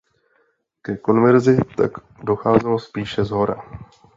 Ke konverzi tak docházelo spíše shora.